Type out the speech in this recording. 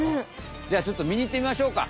じゃあちょっとみにいってみましょうか。